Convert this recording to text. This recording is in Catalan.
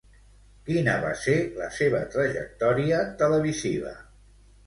Quina va ser la seva trajectòria televisiva?